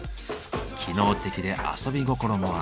機能的で遊び心もある。